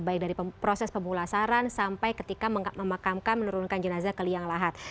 baik dari proses pemulasaran sampai ketika memakamkan menurunkan jenazah ke liang lahat